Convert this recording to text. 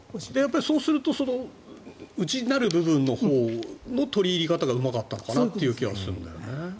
そうすると内なる部分のほうの取り入り方がうまかったのかなっていう気はするんだよね。